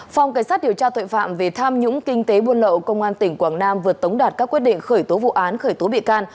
phòng cảnh sát điều tra tội phạm về tham nhũng kinh tế buôn lậu công an tỉnh quảng nam vừa tống đạt các quyết định khởi tố vụ án khởi tố bị can